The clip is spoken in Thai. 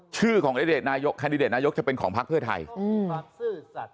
ชื่อของอดีตนายกแคนดิเดตนายกจะเป็นของพักเพื่อไทยอืม